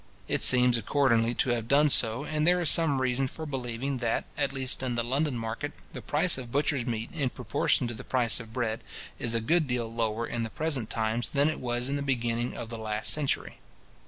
It seems accordingly to have done so; and there is some reason for believing that, at least in the London market, the price of butcher's meat, in proportion to the price of bread, is a good deal lower in the present times than it was in the beginning of the last century.